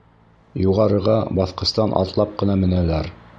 Юғарыға баҫҡыстан атлап ҡына менәләр.